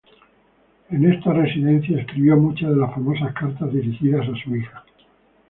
En esta residencia escribió muchas de las famosas cartas dirigidas a su hija.